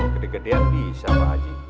gede gedean bisa pak gaji